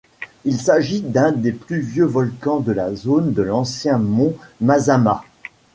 Il s’agit d’un des plus vieux volcans de la zone de l’ancien mont Mazama.